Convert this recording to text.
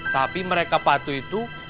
tapi mereka patuh itu